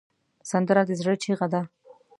سندره د زړه چیغه ده